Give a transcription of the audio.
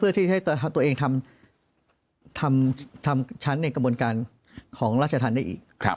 เพื่อที่ให้ตัวเองทำชั้นในกระบวนการของราชธรรมได้อีก